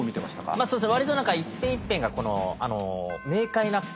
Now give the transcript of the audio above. まあそうですね